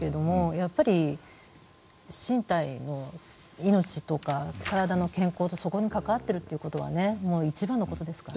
やっぱり命とか体の健康とそこに関わっていることは一番のことですから。